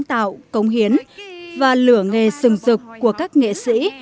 sáng tạo công hiến và lửa nghề sừng dục của các nghệ sĩ